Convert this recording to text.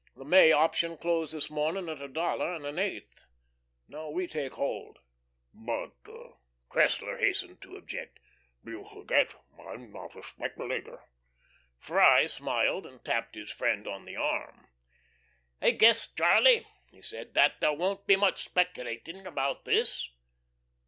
The May option closed this morning at a dollar and an eighth.... Now we take hold. "But," Cressler hastened to object, "you forget I'm not a speculator." Freye smiled, and tapped his friend on the arm. "I guess, Charlie," he said, "that there won't be much speculating about this."